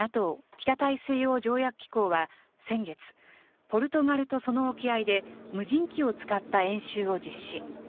・北大西洋条約機構は先月、ポルトガルとその沖合で、無人機を使った演習を実施。